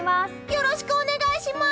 よろしくお願いします！